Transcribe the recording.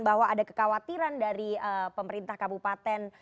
bahwa ada kekhawatiran dari pemerintah kabupaten